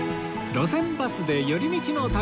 『路線バスで寄り道の旅』